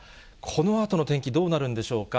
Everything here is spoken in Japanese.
このあとの天気、どうなるんでしょうか。